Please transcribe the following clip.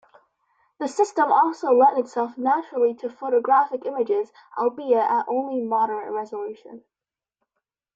The system also lent itself naturally to photographic images, albeit at only moderate resolution.